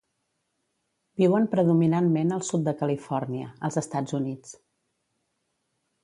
Viuen predominantment al sud de Califòrnia, als Estats Units.